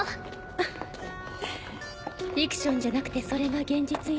フフフィクションじゃなくてそれが現実よ。